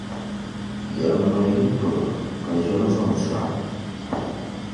Yɛlimaŋli yi polo, ka ʒiri zo n-sɔɣi.